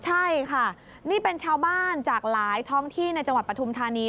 ใช่ค่ะนี่เป็นชาวบ้านจากหลายท้องที่ในจังหวัดปฐุมธานี